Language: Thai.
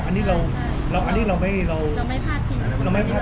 อันนี้เราไม่พลาดทีกว่าเบิร์ตเขานะครับ